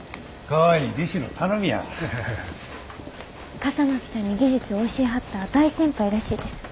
笠巻さんに技術を教えはった大先輩らしいです。